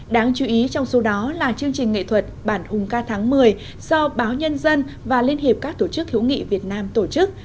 đáng chú ý trong số đó là chương trình nghệ thuật bản hùng ca tháng một mươi do báo nhân dân và liên hiệp các tổ chức hữu nghị việt nam tổ chức